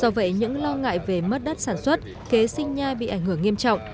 do vậy những lo ngại về mất đất sản xuất kế sinh nhai bị ảnh hưởng nghiêm trọng